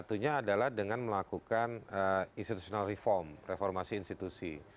satunya adalah dengan melakukan institutional reform reformasi institusi